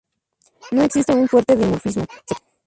No existe un fuerte dimorfismo sexual.